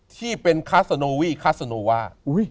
ที่เป็นคัสโนวี่คัสโนว่า